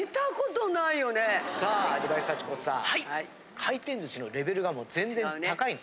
回転寿司のレベルがもう全然高いの？